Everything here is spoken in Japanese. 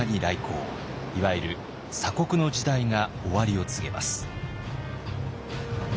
いわゆる鎖国の時代が終わりを告げます。